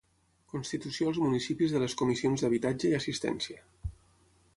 Constitució als municipis de les comissions d'habitatge i assistència.